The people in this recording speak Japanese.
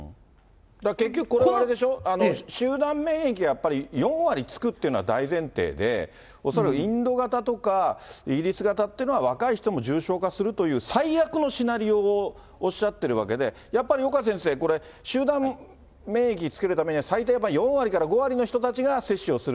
結局これはあれでしょ、集団免疫がやっぱり４割つくっていうのは大前提で、恐らくインド型とか、イギリス型っていうのは、若い人も重症化するっていう、最悪のシナリオをおっしゃってるわけで、やっぱり岡先生、これ、集団免疫つけるためには、最低４割から５割の人たちが接種をする。